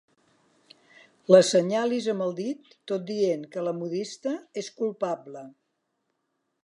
L'assenyalis amb el dit tot dient que la modista és culpable.